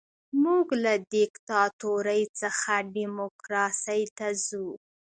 موږ له دیکتاتورۍ څخه ډیموکراسۍ ته ځو.